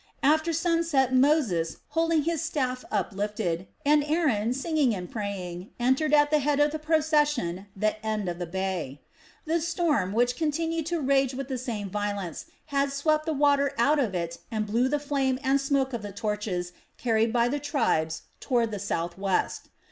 After sunset Moses, holding his staff uplifted, and Aaron, singing and praying, entered at the head of the procession the end of the bay. The storm, which continued to rage with the same violence, had swept the water out of it and blew the flame and smoke of the torches carried by the tribes toward the south west.